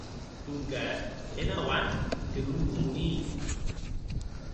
Donques hè nau ans que non comunii.